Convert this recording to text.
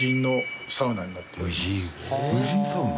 無人サウナ？